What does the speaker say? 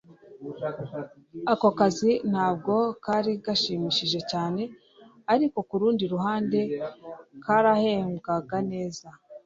ako kazi ntabwo kari gashimishije cyane, ariko kurundi ruhande karahembwaga neza